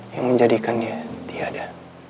yang menjadikannya tiada